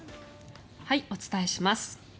お伝えします。